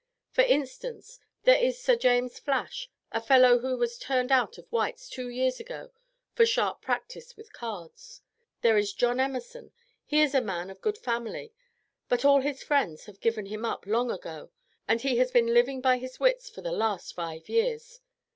For instance, there is Sir James Flash, a fellow who was turned out of White's two years ago for sharp practice with cards; there is John Emerson, he is a man of good family, but all his friends have given him up long ago, and he has been living by his wits for the last five years.